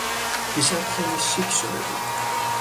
دیشب خیلی شیک شده بود.